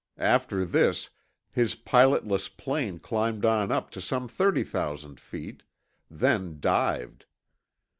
After this, his pilotless plane climbed on up to some 30,000 feet, then dived.